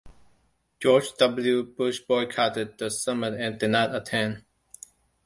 George W. Bush boycotted the summit and did not attend.